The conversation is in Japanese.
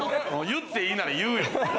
言っていいなら言うよ。